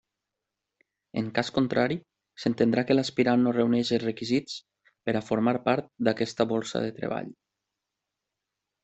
En cas contrari, s'entendrà que l'aspirant no reuneix els requisits per a formar part d'aquesta borsa de treball.